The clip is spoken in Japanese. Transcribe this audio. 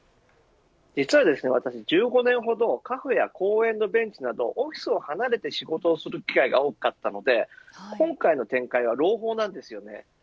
実は私１５年ほどカフェや公園のベンチなどオフィスを離れて仕事をする機会が多かったので今回の展開は朗報です。